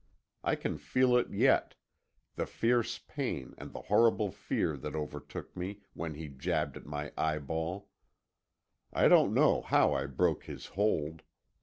I can feel it yet, the fierce pain and the horrible fear that overtook me when he jabbed at my eye ball. I don't know how I broke his hold.